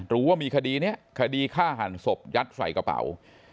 รู้ว่ามีคดีนี้คดีฆ่าหันศพยัดใส่กระเป๋า